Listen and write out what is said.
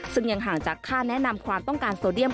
ซึ่งยังห่างจากค่าแนะนำความต้องการโซเดียม